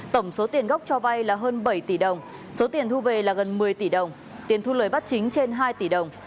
tổng số tiền gốc cho vay là hơn bảy tỷ đồng số tiền thu về là gần một mươi tỷ đồng tiền thu lời bắt chính trên hai tỷ đồng